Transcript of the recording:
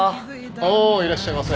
おおいらっしゃいませ。